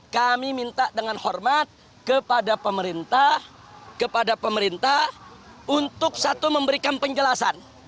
kami minta dengan hormat kepada pemerintah kepada pemerintah untuk satu memberikan penjelasan